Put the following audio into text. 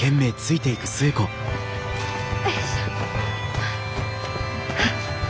よいしょ。